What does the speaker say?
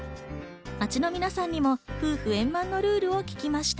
街の皆さんにも夫婦円満のルールを聞きました。